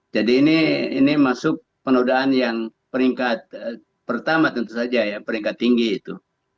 jadi ini masuk penodaan yang peringkat pertama tentu saja ya peringkat tinggi itu